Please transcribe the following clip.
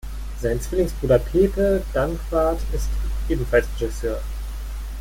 Sein Zwillingsbruder Pepe Danquart ist ebenfalls Regisseur.